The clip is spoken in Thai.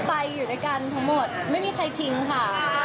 ไปอยู่ด้วยกันทั้งหมดไม่มีใครทิ้งค่ะ